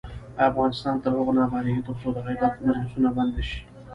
افغانستان تر هغو نه ابادیږي، ترڅو د غیبت مجلسونه بند نشي.